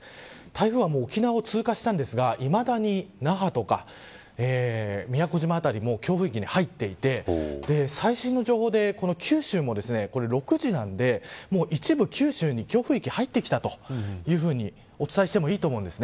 台風は、もう沖縄を通過したんですがいまだに那覇とか宮古島辺りも強風域に入っていて最新の情報で九州も６時なんで一部、九州に強風域入ってきたというふうにお伝えしてもいいと思います。